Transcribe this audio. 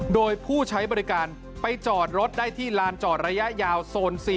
โดยผู้ใช้บริการไปจอดรถได้ที่ลานจอดระยะยาวโซน๔